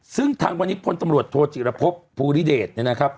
ซึ่งทางวันนี้พลตำรวจโทจิรพบภูริเดชเนี่ยนะครับ